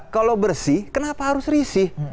kalau bersih kenapa harus risih